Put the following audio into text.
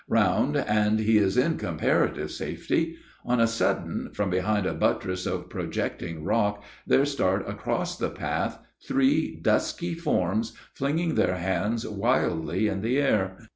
Round, and he is in comparative safety. On a sudden, from behind a buttress of projecting rock, there start across the path three dusky forms, flinging their hands wildly in the air.